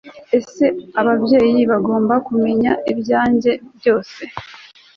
ese ababyeyi bagomba kumenya ibyanjye byose